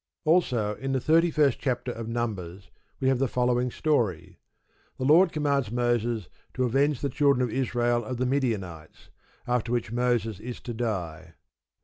Also, in the thirty first chapter of Numbers we have the following story. The Lord commands Moses to "avenge the children of Israel of the Midianites," after which Moses is to die.